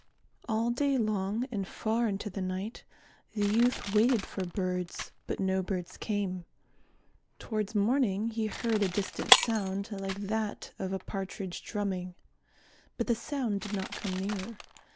All day long and far into the night the youth waited for birds, but no birds came. Towards morning he heard a distant sound like that of a partridge drumming. But the sound did not come nearer.